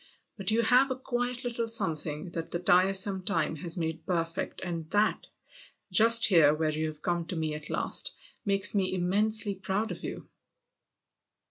But you've a quiet little something that the tiresome time has made perfect, and that just here where you've come to me at last makes me immensely proud of you